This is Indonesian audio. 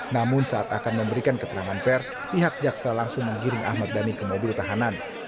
namun saat akan memberikan keterangan pers pihak jaksa langsung menggiring ahmad dhani ke mobil tahanan